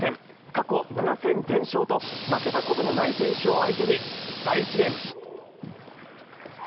過去７戦全勝と負けたことのない選手を相手に、第１ゲーム。